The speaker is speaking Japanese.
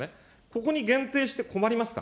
ここに限定して困りますか。